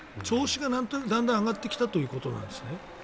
調子がだんだん上がってきたということなんですね。